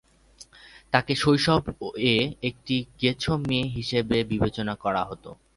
তাকে শৈশব এ একটি গেছো মেয়ে হিসেবে বিবেচনা করা হত।